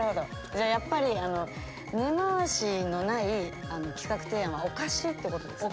じゃあやっぱり根回しのない企画提案はおかしいってことですね。